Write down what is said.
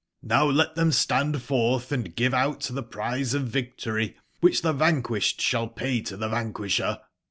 )Vow let tbem stand f ortb and give out tbc prize of victorywbicb tbe vanquisbcd sball pay to tbc vanquisber.